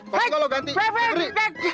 taruh liat cekek lagi